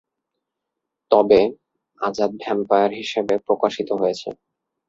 তবে, আজাদ ভ্যাম্পায়ার হিসাবে প্রকাশিত হয়েছে।